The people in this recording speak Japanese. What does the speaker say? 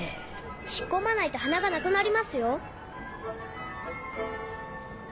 引っ込まないと鼻がなくなりますよ。